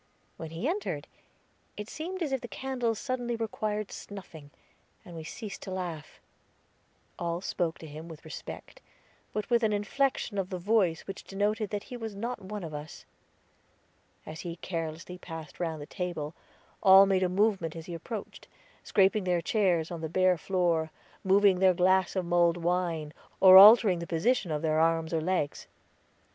When he entered, it seemed as if the candles suddenly required snuffing, and we ceased to laugh. All spoke to him with respect, but with an inflection of the voice which denoted that he was not one of us. As he carelessly passed round the table all made a movement as he approached, scraping their chairs on the bare floor, moving their glass of mulled wine, or altering the position of their arms or legs.